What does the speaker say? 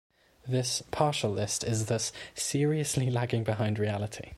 This partial list is thus seriously lagging behind reality.